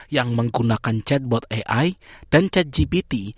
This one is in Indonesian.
yang menggunakan chatbot ai dan chat gbt